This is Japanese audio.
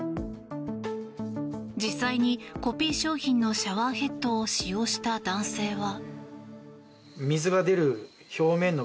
実際にコピー商品のシャワーヘッドを使用した男性は。